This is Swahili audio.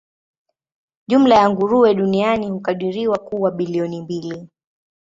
Jumla ya nguruwe duniani hukadiriwa kuwa bilioni mbili.